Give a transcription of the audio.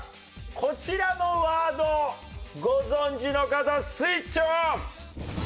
こちらのワードご存じの方スイッチオン！